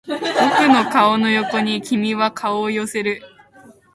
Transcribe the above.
僕の顔の横に君は顔を寄せる